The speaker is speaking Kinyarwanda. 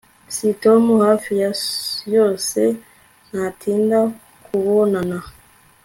S Tom hafi ya yose ntatinda kubonana